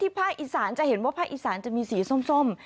ภาคอีสานจะเห็นว่าภาคอีสานจะมีสีส้ม